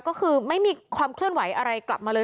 ก็คือไม่มีความเคลื่อนไหวอะไรกลับมาเลย